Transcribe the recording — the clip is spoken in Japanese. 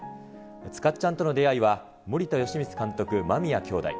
塚っちゃんとの出会いは、森田芳光監督、間宮兄弟。